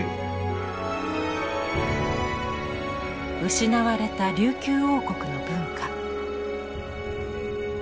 失われた琉球王国の文化。